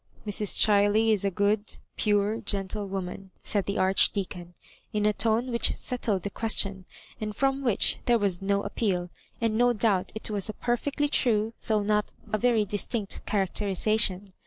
" Mrs. Chiley is a good, pure, gentle woman," said the Archdeacon, in a tone which settled the question, and firom which there was no appeal ; and no doubt it was a perfectly true^ though not a very distinct characWisation.